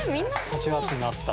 ８月になったら。